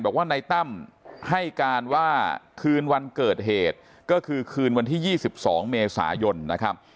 บอกว่าในตั้มให้การว่าคืนวันเกิดเหตุก็คือคืนวันที่๒๒เมษายนนะครับ